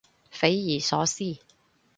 匪夷所思